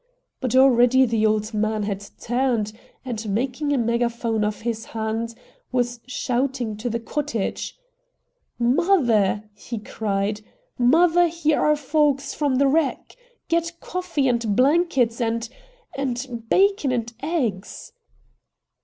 But already the old man had turned and, making a megaphone of his hands, was shouting to the cottage. "Mother!" he cried, "mother, here are folks from the wreck. Get coffee and blankets and and bacon and eggs!"